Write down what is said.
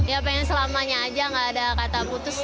ya pengen selamanya aja gak ada kata putus